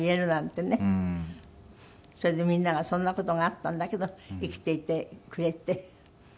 それでみんながそんな事があったんだけど生きていてくれて。